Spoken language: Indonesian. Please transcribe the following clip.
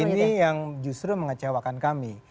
ini yang justru mengecewakan kami